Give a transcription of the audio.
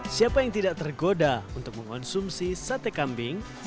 siapa yang tidak tergoda untuk mengonsumsi sate kambing